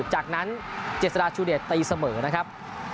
จากนั้นเจษฎาชูเดชตีเสมอนะครับ